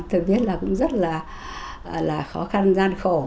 thực biết là cũng rất là khó khăn gian khổ